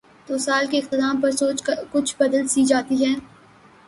تو سال کے اختتام پر سوچ کچھ بدل سی جاتی ہے۔